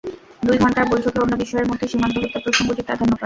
দুই ঘণ্টার বৈঠকে অন্য বিষয়ের মধ্যে সীমান্ত হত্যা প্রসঙ্গটি প্রাধান্য পায়।